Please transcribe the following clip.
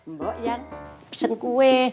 mbok yang pesen kue